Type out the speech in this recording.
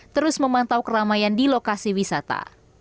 terus memantau keramaian di lokasi wisata